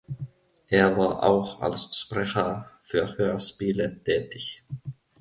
Er war auch als Sprecher für Hörspiele tätig.